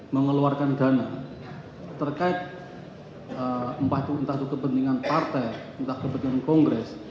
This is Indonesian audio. mengeluarkan dana terkait entah itu entah itu kepentingan partai entah kepentingan kongres